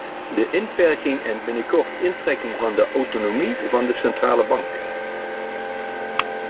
De inperking en binnenkort intrekking van de autonomie van de centrale bank.